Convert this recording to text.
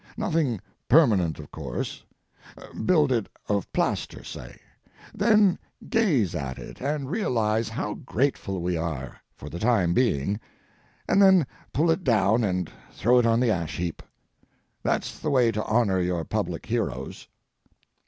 Nothing permanent, of course; build it of plaster, say. Then gaze at it and realize how grateful we are—for the time being—and then pull it down and throw it on the ash heap. That's the way to honor your public heroes.